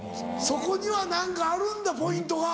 そこには何かあるんだポイントが。